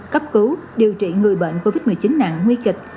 cấp cứu điều trị người bệnh covid một mươi chín nặng nguy kịch